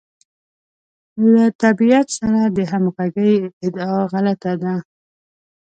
له طبیعت سره د همغږۍ ادعا غلطه ده.